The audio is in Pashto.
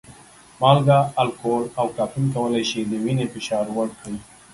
مالګه، الکول او کافین کولی شي د وینې فشار لوړ کړي.